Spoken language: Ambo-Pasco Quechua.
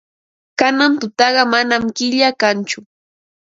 Kanan tutaqa manam killa kanchu.